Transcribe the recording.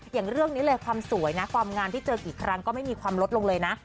อย่างเรื่องนี้เลยความสวยนะความงามที่เจอกี่ครั้งก็ไม่มีความลดลงเลยนะ